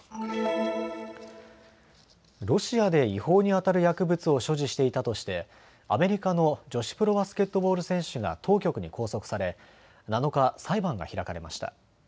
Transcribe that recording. ロシアで違法にあたる薬物を所持していたとしてアメリカの女子プロバスケットボール選手が当局に拘束され７日裁判が開かれました。